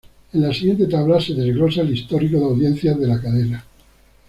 En la siguiente tabla se desglosa el histórico de audiencias de la cadena.